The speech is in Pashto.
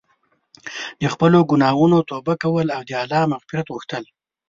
د خپلو ګناهونو توبه کول او د الله مغفرت غوښتل.